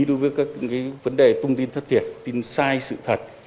đối với các vấn đề thông tin thất thiệt tin sai sự thật